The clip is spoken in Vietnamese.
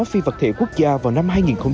phi vật thể quốc gia vào năm hai nghìn hai mươi